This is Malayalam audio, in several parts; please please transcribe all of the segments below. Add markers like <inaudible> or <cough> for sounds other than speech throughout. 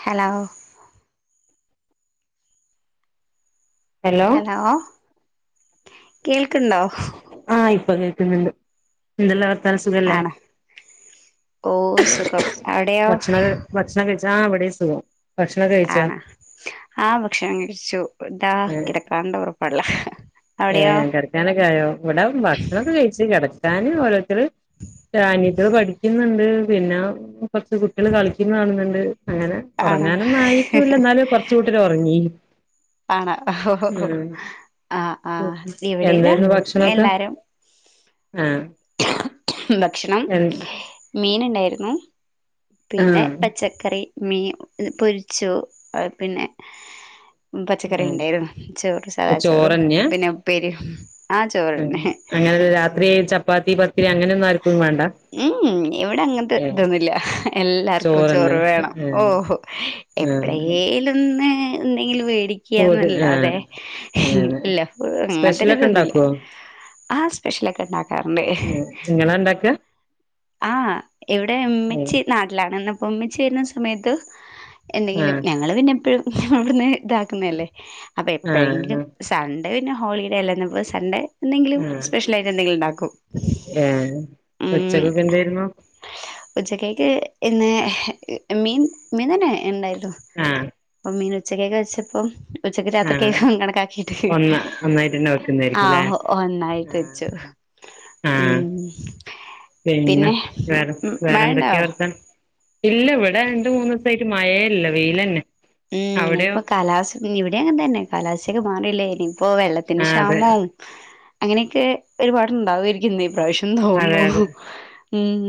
ഹലോ ഹലോ കേൾ ക്ക്ണ്ടോ പ്പ കേക്ക്ന്ന്ണ്ട് ന്തെല്ലാ ആണ് ഓ സുഖം അ ഭക്ഷണൊക്കെ ഭക്ഷണം കഴിച്ചാ ആ വ്ടെയു സുഖം ഭക്ഷണം കഴിച്ചോ ആണ് ആ ഭക്ഷണം കഴിച്ചു താ കിടക്കാണ്ടവർ പള്ള ഏ കെട്ക്കാനൊക്കായോ വടെ ഭക്ഷണൊക്കെ കഴിച്ച് കെട ക്കാന് ഒരൊ ത്തർ ഡാനി കുട്ട്യാൾ പഠിക്കുന്നുണ്ട് പിന്നെ കൊർച്ച് കുട്ട്യള് കളിക്കുന്ന കാണുന്നുണ്ട് അങ്ങനെ ആണ് ഒറങ്ങാനൊന്നും ആയിട്ടൂല്ല ന്നാലും കൊർച്ച് കൂട്ടര് ഒറങ്ങി ആണ ആഹ് ഉം എന്തേര്ന്നു ഭക്ഷണൊക്കെ ആഹ് ന്ത ക്ഷണം എ മീന് ന്തേര്ന്നു പിന്നെ ആഹ് പച്ചക്കറി മീന് പൊരിച്ചു പിന്നെ പച്ചക്കറി ആഹ് ണ്ടേര്ന്നു ചോറ് സാദാ ചോറും ചോറന്നെയാ പിന്നെ ഉപ്പേരിയും ആ ചോറെന്നെ അങ്ങനെ രാത്രി ചപ്പാത്തി പത്തിരി അങ്ങനെയൊന്നും ആർക്കും വേണ്ട ഉംഉം ഇവിടെ അങ്ങൻത്തെ ഏഹ് ഇതൊന്നുല്ല എല്ലാർക്കും ചോറ്ന്ന് ചോറ് വേണം ഓ ഏഹ് ആഹ് എപ്പളേലൊന്ന് എന്തെങ്കിലും പൂതി ആഹ് മേടിക്ക്യാന്നല്ലാതെ അങ്ങനെ ല്ല അങ്ങൻത്തൊരു സ്പെഷ്യലൊക്കെ ഇതൊന്നൂല്ല ഇണ്ടാക്കുവോ ആ സ്പെഷ്യലൊക്കെ ണ്ടാക്കാറുണ്ട് ത ആഹ എവിടെ മ്മച്ചി നാട്ട്ലാണ്ന്ന്. ഉമ്മച്ചേര്ന്ന സമയത്ത് എന്തെങ്കിലും, ആഹ് ഞങ്ങൾ പിന്നെ പ്പഴും <unintelligible> അവ്ട്ന്ന്. ഇതാക്കുന്നല്ലേ അപ്പൊ എപ്പഴെങ്കിലും ആഹ് സൺ ഏയ് ഇന്ന് ഹോളിഡേ അല്ലേ, ഞങ്ങൾക്ക് സൺഡേ. എന്തെങ്കിലും ആഹ് സ്പെഷ്യൽ ആയിട്ട് എന്തെങ്കിലും ഉണ്ടാക്കും, ഉം. എങ്ങോ ഉച്ചത്തേക്ക് ഇന്ന് മീൻ മീൻ തന്നെ ഇണ്ടായിരു ആഹ് <unintelligible> അപ്പമീന. ഉച്ചക്ക്, കഴിച്ചപ്പം. ഉച്ചക്ക്, ആഹ് രാത്രിത്തേക്കു കണക്കാക്കിട്ട്, ഒന്ന ഒന്നായിട്ട്ന്നെ ആ വെക്കുന്നായിരിക്കുംല്ലേ ഒന്നായിട്ട് ആഹ് വച്ചു, ആഹ് ഉം. പിന്നെ വേറെ വേറെ മഴണ്ടോ എന്തൊക്കെയാ വർത്താനം ഇല്ല ഇവിടെ രണ്ട് മൂന്നീസയിട്ട് മയയേല്ല വെയിലന്നെ ഉം അവിടെയോ ഇപ്പൊ കാലാസ്ഥ ഇവിടെ അങ്ങെ തന്നെ കാലാസ്ഥൊക്കെ മാറില്ലായിനീം ഇപ്പ വെള്ളത്തിന് ആഹ് അതെ ക്ഷാമോം അങ്ങനെക്കെ ഒരുപാടുണ്ടാവുരിക്കും ന്ന് ഈ പ്രാശ്യം അതെ തോന്നു അതെ ഉം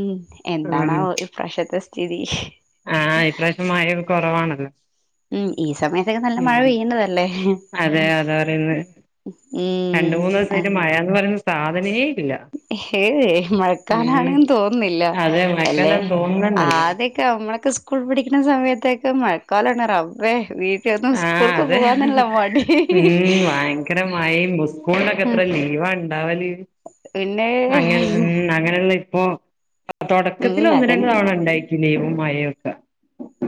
എന്താണാവൊ പ്ര്രശ്യത്തെ ചിരി ആ ഇപ്രാശ്യം മഴ കൊറവാണല്ലോ ഉം ഈ സമ ക്കെ നല്ല മഴ ഉം പെയ്യണ്ടതല്ലേ അതെ അതാ പറയുന്നെ രണ്ട് മൂന്ന് ഈസാട്ട് മഴ എന്ന് പറയുന്ന സാധനെ ഏയ് മഴക്കാലാണ് തോന്നുന്നില്ല അതെ എല്ലെ മഴക്കാലാന്ന് തോന്നുന്നന്നല്ല ആദ്യൊക്കെ നമ്മളൊക്കെ സ്കൂൾ പഠി കിട്ട്ണ സമയത്തെക്കെ മഴക്കാലണ് റബ്ബേ വീ ആ അതെ ഉം വയങ്കര മഴിം പുസ്കൂളിലൊക്കെ എത്ര ലീവാ ഇണ്ടാവല്ല് പിന്നെ അങ്ങനെ ഉം അങ്ങനൊരു <unintelligible> ഇപ്പോ തൊടക്കത്തില് ഉം ഒന്ന് രണ്ട് അതന്നെ തവണ ഉണ്ടായിട്ട് നിയമുംമായൊക്കെ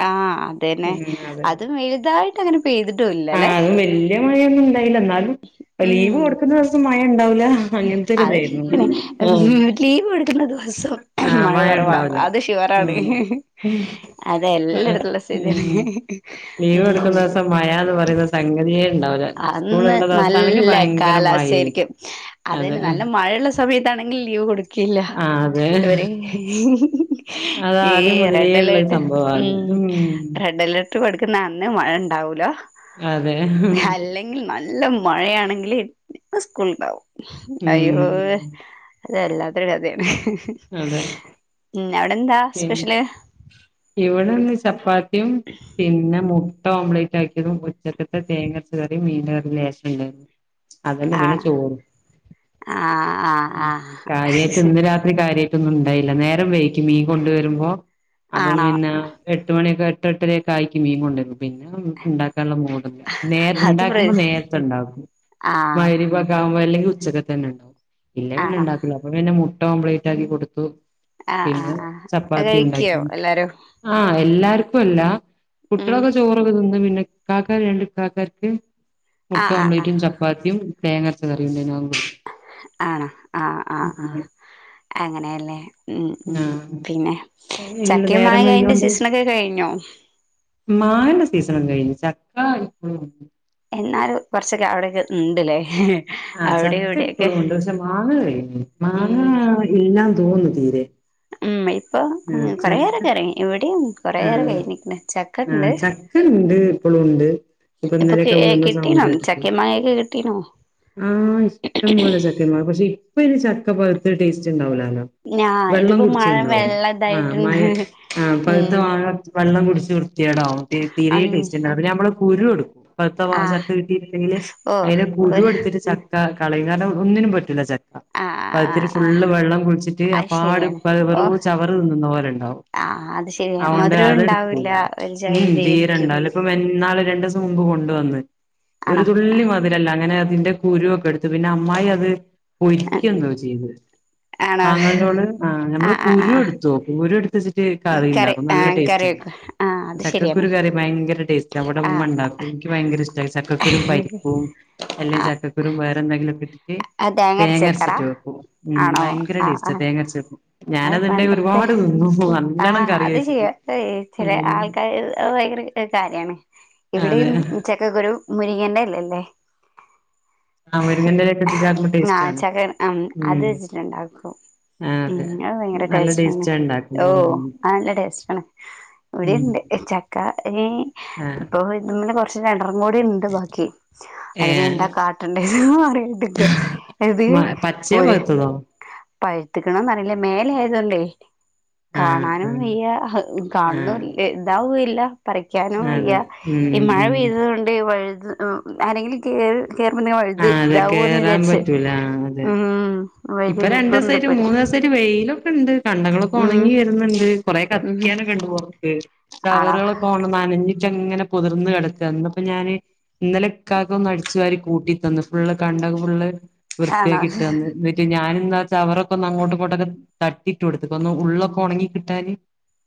ആ അതേന്നെ അതും വലുതായി ഇവിടങ്ങനൊരു പേയ്ത് ട്ടും ഇല്ലലേ ആഹ് അതും വല്യ മഴയൊന്നും ണ്ടായില്ല എന്നാലും ലീവ് കൊടുക്കുന്ന ദിവസം മഴ ഉണ്ടാവൂല അത് ശരിയാണ് ലീവ് എടുക്കുന്ന ദിവസം ആഹ് മഴ മഴപറവാ ഇണ്ടാവൂല അത് ശുവറാണ് ഉം അതെല്ലായിടത്തുള്ള സ്ഥിതിയാണ് ഉം ലീവ് ഉം എടുക്കുന്ന ദിവസം മഴാന്ന് പറയുന്ന സംഗതിയേ ഉണ്ടാവൂല അന്ന് സ്കൂളുള്ള ദിവസാണെങ്കി നല്ല ഭയങ്കര കാലാവസ്ഥ ആയിരിക്കും മഴയായിരിക്കും അത് അതെ നല്ല മഴയുള്ള സമയത്താണെങ്കിൽ ലീവ് കൊടുക്കേയില്ല ആഹ് അതെ ഇവര് അത് ഈ ആദ്യം മുതലേ റെഡ് ഉള്ളൊരു അലേർട്ട് സംഭവാ അത് ഉം റെഡ് അലേർട്ട് കൊട്ക്കുന്ന അന്ന് മഴ ഉണ്ടാവൂലാ അത്‌ അല്ലെങ്കിൽ നല്ല നല്ല മഴയാണെങ്കില് സ്കൂള് ഉണ്ടാവും ഉം അയ്യോ അതല്ലാത്തൊരു കഥയാണ് അതെ ഉം അവിടെന്താ പിന്നെ സ്പെഷ്യല് ഇവിടെ ഇന്ന് ചപ്പാത്തി യും പിന്നെ മൂട്ട ട്ട ഓംലെറ്റ് ആക്കിയതും ഉച്ചക്കത്ത തേങ്ങരച്ച കറീം മീൻറ കറീം ലേശം ണ്ടാര്ന്ന് ആ ആ ഉം ആഹ് ആ കാര്യായിട്ട് ഇന്ന് രാത്രി കാര്യായിട്ടൊന്നും ഉണ്ടായില്ല നേരം വൈകിക്കും മീൻ കൊണ്ട് വരുമ്പോ അപ്പം ആണോ പിന്നെ എട്ട് മണിയൊക്കെ എട്ട് എട്ടരേക്കായികും മീൻ കൊണ്ടരുമ്പോ പിന്നെ ഉണ്ടാക്കാനുള്ള മൂഡില്ല അത് പ്ര ഉണ്ടാക്കുമ്പോ നേരത്തേ ഉണ്ടാക്കും ആഹ് മയിര്ബൊക്കാകുമ്പോ അല്ലെങ്കിൽ ഉച്ചക്കതന്നെണ് ഇല്ല പിന്നെ ആണോ ണ്ടാക്കലോ അപ്പൊ പിന്നെ മു ട്ട ഓംലേറ്റ് ആക്കി കൊടുത്തു ആഹ് ആഹ് പിന്നെ ആഹ് അത് ചപ്പാത്തി കഴിക്കോ ഉണ്ടാക്കി എല്ലാരും ആ എല്ലാർക്കും ഉപ്പല്ല ഉം കുട്ടികളൊക്കെ ചോറി തിന്നുന്ന പിന്നെ കാക്കാ രണ്ട് കാക്കാർക്ക് മുട്ട ആഹ് ആഹ് ആഹ് ഓംലറ്റും ചപ്പാത്തിയും തേങ്ങരച്ച കറിയുണ്ടേയ്നോ ആണോ ങാ ങാ ങാ കൊടുത്തു അങ്ങനെയല്ലേ ഉം ഉം ആഹ് പിന്നെ ചക്കയും നേരം മാങ്ങയിന്റെ വൈകിയോണ്ട് സീസണൊക്കെ കഴിഞ്ഞോ? സീസണൊക്കെ കഴിഞ്ഞ് ചക്കാ ഇപ്പഴുംണ്ട് എന്നാലും കൊർച്ചൊക്കെ അവിടൊക്കെ ണ്ട് ലേ ആഹ് ചക്ക പ്പളും ണ്ട് പക്ഷെ മാങ്ങ മാങ്ങ കൈഞ്ഞ് ഉം മാങ്ങ ഇല്ല തോന്നു തീരെ ഉം ഇപ്പൊ ആഹ് ചക്ക കൊറെയേറൊക്കെറങ്ങി വിടിം കൊറെയേറെ ആഹ് കഴിഞ്ഞീണ്. ചക്ക ണ്ട് ആഹ് ചക്ക ഉണ്ട് ഇപ്പോളും ഉണ്ട് ഇപ്പൊ കെ ഇന്നലെയൊക്കെ വീണ സൗണ്ട് കെട്ടീണം കേട്ടിട്ട് ചക്കിം മാങ്ങോക്കെ കിട്ടീണോ ആഹ് ഇഷ്ടം പോലെ ചക്കിം മാ പക്ഷെ ഇപ്പ ഇനി ചക്കപ്പവുത്തെ ടേസ്റ്റ് ണ്ടാവൂല ല ഞാ വെള്ളം ഇതിപ്പോ മഴ കുട്ച്ച്ണ്ടാവും വെള്ളം ആഹ് ഇതായിട്ടുണ്ട് മയ ആ പൗത്ത ഉം മാങ്ങ വെള്ളം കുട്ച്ച് <unintelligible> ത്യേടാവും തീരെ ഉം ടേസ്റ്റ്ണ്ടാവൂല പിന്നെ മ്മള് കുരു എടുക്കും പൗത്ത വാ ആഹ് ചക്ക കിട്ടിട്ട്ണ്ടെങ്കില് അയ്ന്റെ കുരു ട്ത്തി ചക്ക കളീം കാരണം ഒന്നിനും പറ്റൂല്ല ആ ച ക്ക ആഹ് പൗതിട്ട് ആഹ് ആഹ് ഫുള്ള് വെള്ളം കുടിച്ചിട്ട് അത് അപ്പാട് ശരിയാണ് പെ വെറൂ ഓ ചവറ് തിന്നുന്ന പോലെ ഉണ്ടാവും. ആ അത് ശരിയാ അതോണ്ട് മധുരം അത് ഉണ്ടാവില്ല ട്ക്കൂല ഒരു മ് മ് ഇതായിരിക്കും തീരെണ്ടാവില്ല ഇപ്പാ ന്നാൾ രണ്ടസ് മുമ്പ് കൊണ്ടുവന്ന് ഒരു ആണോ തുള്ളിമതിരല്ല അങ്ങനെ തിന്റെ കുരൊക്കെ ട്ത്ത് പിന്നമ്മായി അത് അ പൊരിക്കെന്തോ ചെയ്ത് ആണോ ആങ്ങളന്റോള് ആഹ് ആ ഞമ്മള് ആ ആ കുരുട്ത്തുനോക്കും കുരുട് റ്റെ കറി കറിണ്ടാക്കും ആ നല്ല ടേസ്റ്റ കറി വെക്കും ആ അത് ശരിയാണ് ചക്കക്കുരു കറി ഭയങ്കര ടേസ്റ്റ വടെ ആ മ്മണ്ടാക്കും ഇൻക്ക് ഭയങ്കര ഇഷ്ട ചക്കുരും പരിപ്പും എല്ലെ ചക്ക രും വേറെന്തെങ്കിലും ന്ന പിൻ ആഹ് തേങ്ങര്ച്ചക്കറാ ഉം ആണോ ഭയങ്കര ആഹ് ടേസ്റ്റാ ആഹ് തേങ്ങ അരച്ച് വെക്കും ഞാനതിന്റെ അത്പണ്ടത്തെ ഒരുപാട് തിന്നും ആ നല്ലോണം കറി അത് ചെയ്യാ വെച്ചിട്ട് അത് ചില ഉം ആൾക്കാർ അത് ഭയങ്കര കാര്യാണ് അതെ ഇവിടെയും മ് ചക്കക്കുരു മുരിങ്ങേന്റെ എല അല്ലേ ആ മുരിങ്ങെന്റയില ആ ചക്ക അത് ഉം വെച്ചിട്ടുണ്ടാക്കും ആ അതെ ഉം അത് ഭയങ്കര നല്ല ടേസ്റ്റ്ണ് ടേസ്റ്റാ ഓ ഉണ്ടാക്കുമ്പോ ഉം അത് നല്ല ടേസ്റ്റ് ആണ് ഇവിടെയും ഉം ഇണ്ട് ചക്ക ആ ഇപ്പൊ- പിന്നെ കൊറച് കാര്യങ്ങള് ർന്നൂടി ണ്ട് ബാക്കി ഏ അതിന്യെന്താ കാട്ടണ്ടിയെ ന്നറി ക്ക എത് പച്ചയോ പഴുത്തതോ പഴുത്ത്ക്ക്ണോന്നറില മേലായതോണ്ടേ ആ ആ കാണാനും വെയ്യ ആ കാണ് ണുല് ഇതാവുല്ല പറിക്കാനും വെയ്യ അതെ ഉം ഈ മഴ ഉം പെയ്തത് കൊണ്ട് ഈ വഴു അ അ അല്ലെങ്കിലും കേറ് കേറ വഴു ഇ അാൻ പറ്റൂല അതെ വഴുതി ഇപ്പൊ രണ്ട വീഴ്ക്കോന്ന് ദിവസംമായി് പേടി മൂന്ന്ു ദിവസംട്ട വെയിലും ഉണ്ട് കണ്ടകളൊക്കെ ഉം ഉണങ്ങി വരുന്നുണ്ട് കൊറെേ ഉം കത്തിക്കാനൊക്കെ ഉണ്ട് പുർക്ക് ആണോ ടവറുകളൊക്കെ നാനഞ് അങ്ങനെ പുതിർന്ന് കട അന്നപ്പോ ഞാന് ഇന്നലെക്കക ഒന്ന് അടിച്ചു വരി കൂട്ടി തന്നു ഫുള്ള് കണ്ട ഫുള് വൃത്തിയാക്ക ആണോ കിട്ടന്ന് ഞാനൻ എാ വച്ചാ അവർൊക്കെ ഒന്ന് അങ്ങോട്ട ഇങ്ങോട്ടൊക്കെ തട്ടിട്ട കൊടുക്ക ഒന്ന് ഉള്ളൊക്കെ ഉണങ്ങി കിട്ടാാന്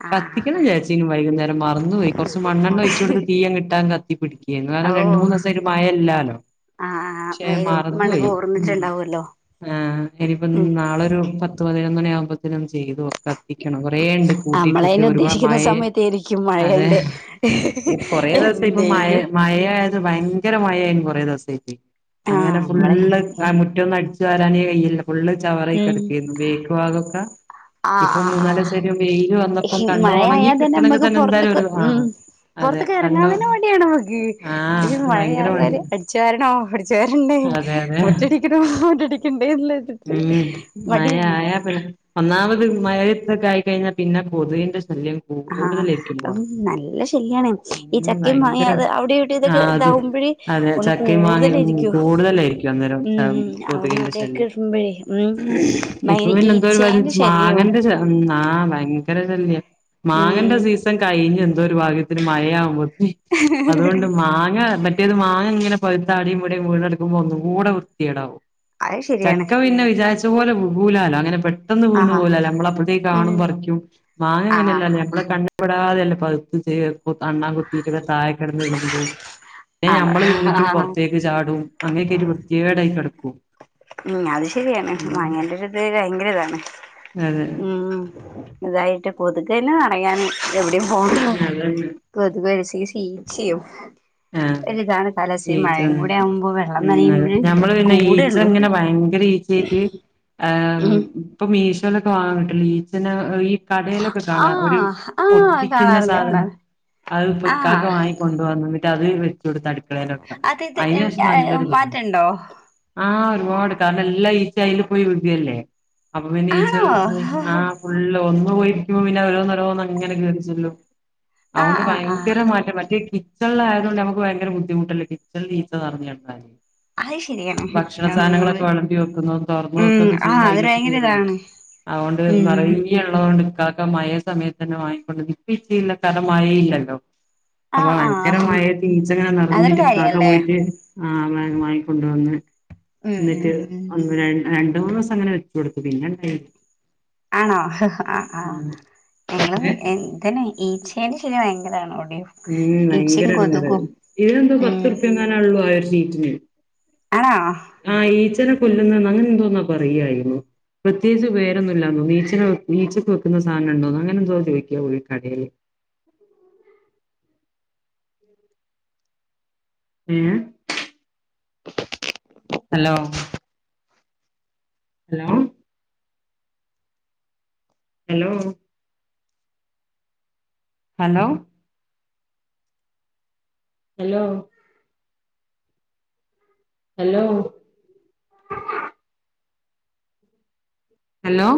ആഹ് കത്തിക്കണ ചേച്ചി വൈകുന്നേരം മറന്നു പോയി കൊറച്ച്ു മണ്ണെണ്ണണം ഒഴിച്ചു കൊടുത്ത് തീയ കിട്ടാൻ കത്തി പിിടിക്ക കാരണം രണ്ട ഓഹ് മൂന്ന് ദിവസം ഒരു മഴ ഇല്ലാലോ ആഹ് പക്ഷേ ഇത് മണ്ണ് മറന്നുപയി കൂർന്നിട്ടുണ്ടാവുമല്ലോ ആ ഇനിപ്പം ഉം നാളെ ഒരു പത്ത് പ പതിനൊന്നു ആകുമ്പോും ചെയ്തുക്ക എത്തിണം കൊറേ ഉണ്ട് കൂട്ടിട്ട നമ്മളതിന് ഒരുപാട് ഉദ്ദേശിക്കുന്ന മഴ സമയത്തായിരിക്കും അതെ മഴേന്റെ കൊറേ ദിവസം ഇപ്പ എന്തേലും മഴായത് ഭയങ്കര മഴ സച്ച <unintelligible> ആഹ് അങ്ങനെ നമ്മളെ ഫുള്ള് ആ മുറ്റൊന്ന അടിിച്ച തെ വയില്ല ഫുള്ള് ചവറായ് എടുക്കരുന്നു ബേക്ക് ഭാഗൊക്കെ ആ ഇപ്പൊ ആ ആ മൂന്നാല് ദിവസായിട്ട് വെയില് വന്നപ്പം കണ്ടം ഒണങ്ങി മഴയായാൽ തന്നെ കിട്ടണെങ്കി നമ്മക്ക് എന്തായാലും പുറത്തക്ക് ഒരു ഉ ആഹ് അതെ പുറത്തക്ക് കണ്ടം ഇറങ്ങാന് വടിയാണ് നമ്മക്ക് ആഹ് ഇത് ഭയങ്കര മഴയായാല് മടി അടിച്ചു വരണോ അടിച്ചു വരണ്ടേ അതെ അതെ മുറ്റടിക്കണോറ്റട ഉം മഴ ആയാ പിന്ന ഒ മഴത്തൊക്കെ ആ കഴിഞ്ഞ പിന്നെ പൊതുവിന്റെ ആഹ നല്ല ശരിയാണ് ഈ ഉം ചക്കയും മങ്ങ ഭയങ്കര അത് അവിടെ ഇവിടെ ആ ഇതൊക്കെ അതും ഇതാവുമ്പോഴേ അതെ ഒന്ന് ചക്കയും മാങ്ങയും ഉം കൂടുതലായിരിക്കോ കൂടുതലായിരിക്കും അന്നേരം ച- ഉം അവിടെ കൊതുകിന്റെ ഇവിടെ ശല്യം ഇപ്പൊ പിന്നെ എന്തോ ഈച്ചേന്റെ മാങ്ങ ശല്യവും ആ ഭയര നരല്ലയ മാങ്ങന്റെ ഉം സീസൺ കഴിഞ്ഞ എന്ത ഒരു ഭാഗത്തിന് മഴയാവുമ്പോ അതുകൊണ്ട് മാങ്ങ മറ്റ ഒരുമാങ്ങ ഇങ്ങനെ പഴുത ടിവിടിവിടെ വീണുകിടക്കുമ്പോൾ ഒന്നുകൂടെ വിർത്തികേടാവും അത് ശരിയാണ് ചക്ക പിന്നെ വിചാരിച്ച തുപോലെ പൊകുലല്ല അങ്ങനെ പെ പെട്ടെന്ന് വീണു ആഹ് പോലല്ല നമ്മൾ അപ്പഴത്തേക്ക് കാണും ഉം പറിക്കും മാങ്ങ അങ്ങനെല്ലേ ആഹ് നമ്മള് ക തയല്ലേ പയുത് ചെയ് അണ്ണാൻ കുത്തിക്കണ തായെ കിടന്നിടും ഹലോ പിന്നെ ആണോ ഞമ്മള് നിന്നിട്ടും ആഹ് പുറത്തേക്ക് ചാടും മാങ്ങേ കെറ്റി വൃത്തികേടായി കടക്കൂ ഉം അത് ശരിയാണ് വാങ്ങേണ്ട ഒരു ഇത് ഭയങ്കര ഇതാണ് അതെ ഉം ഇതായിട്ട് കൊതുകനെ അണയാന് എവിടെയും പോയോ അതന്നെ വേദ് പരിഷ ഇത് ചേഞ്ച്‌ ചെയോ ആഹ് അതെ ഒരുതാണ് ഡാലസി ഈച്ച മഴയും കൂടെ ആവുമ്പോ വെള്ളം ഉം അതെ നനയുമ്പോഴ് ഞമ്മള് പിന്നെ ഈച്ച കൂടെയുള്ളൂ ഇങ്ങനെ ഭയങ്കര ഈച്ചക്ക് ഏ ഉം ഉപ്പു മിൻ മീശോലൊക്കെ വാങ്ങാൻ കിട്ടും ഈച്ചനെ ഈ കടയിലൊക്കെ കാണാ ഒരു ആഹ് ആഹ് ഒട്ടിക്കുന്ന കാണാറുണ്ട് സാധനം കാണാറുണ്ട് അത്പ്പ ഇക്കാക്ക ആഹ് വാങ്ങി കൊണ്ട് വന്ന് അത് വേ ഇവിടുത്തെ അടുക്കളെൽ അത് ഇത് അതിനുശേഷം നല്ലൊരുതണ്ട് മാറ്റണ്ടോ ആ ഒരു പാട് കാരണം എല്ലാം ഈച്ച അതില് പോയി വിഴല്ലേ അപ്പൊ പിന്നെ ഈച്ചകള് ആണോ ആ ഫുള് ഒന്ന് പോയി ഇരിക്കുമ്പോപിന്നെ ഓരോന്നോരോന്ന് അങ്ങനെ കേറിചെല്ലും ആഹ് അതുകൊണ്ട് ആഹ് ആഹ് ഭയങ്കര മാറ്റം മറ്റെ ചൊല്ലായത്കൊണ്ട് നമ്മുക്ക് ഭയങ്കര ബുദ്ധിമുട്ടല്ലേ കിച്ചണിൽ ഈച്ച പറന്ന് നടന്നാൽ അത് ശരിയാണ് ഭക്ഷണ നമ്മള് സാധനങ്ങളൊക്കെ വിളമ്പി വെക്കുന്നതും തുറന്ന് ഉം വെക്കൊക്കെ ആഹ് ചെയ്യുമ്പോ അതൊരു അതിലൊക്കെ ഭയങ്കര കേറി ഇരിക്കും ഇതാണ് അതുകൊണ്ട് ഉം നറയെ ഉള്ളതൊണ്ട് കാക്ക മഴ സമയത്ത് തന്നെ വാങ്ങിക്കൊണ്ട ഇപ്പ ഇച്ച ഇല്ല കാരണം മഴയില്ലല്ലോ ആ ആ ഭങ്കരമാഴയത്ത് ഈച്ചങ്ങനെ നിറഞ്ഞിട്ട് കാക്ക പോയിട്ട് വാങ്ങാന് വാങ്ങി കൊണ്ടുവന്ന് ഉം എന്നിട്ട് ഉം ഒന്ന് ര രണ്ട് മൂന്ന് ദിവസം അങ്ങനെ വെച്ചുകൊടുത്തു പിന്നെ ആണോ ആ ആ ഉം ഞങ്ങള് ഏ എ ഇതന്നെ ഈച്ചേന്റെ ശല്യം വയങ്കരാണ് ഇവ ഉം വയങ്കര എടങ്ങേറഹ് ഇതിനന്തൊ ഉം പത്ത്റുപ്യങ്ങാനോള്ളൂ അഹ് ശീ <unintelligible> ആണോ ആ ഈച്ചനെ കൊല്ലുന്നേന്നൊ അങ്ങനെന്തോന്നാ പറയ്യായിരുന്നു പ്രത്യേയിച്ച് പേരൊന്നു ഇല്ലാന്നോ വീച്ച്ണാ വീച്ചക്ക് വെക്കുന്ന സാനം ഇണ്ടോന്നൊ അങ്ങനന്തോ ചോയിക്കാ പോയി കടേല് ങേ hello hello hello hello hello hello hello